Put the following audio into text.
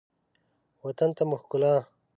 وطن ته مو ښکلا